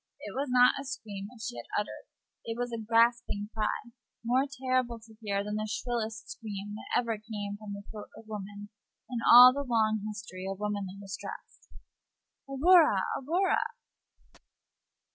It was not a scream which she had uttered. It was a gasping cry, more terrible to hear than the shrillest scream that ever came from the throat of woman in all the long history of womanly distress. "Aurora! Aurora!"